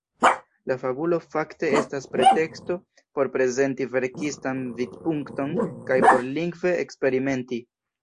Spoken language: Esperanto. La fabulo fakte estas preteksto por prezenti verkistan vidpunkton kaj por lingve eksperimenti.